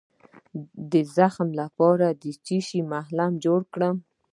د زخم لپاره د څه شي ملهم جوړ کړم؟